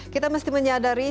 kita mesti menyadari